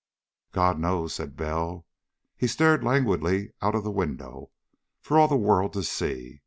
"God knows," said Bell. He stared languidly out of the window, for all the world to see.